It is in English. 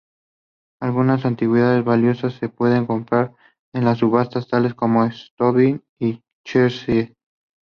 It is dedicated to the Dormition of the Theotokos.